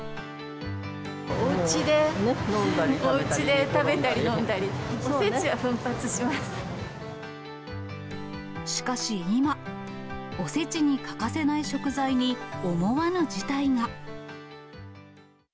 おうちで食べたり飲んだり、しかし今、おせちに欠かせない食材に、思わぬ事態が。